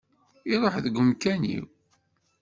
Iruḥ deg umkan-iw.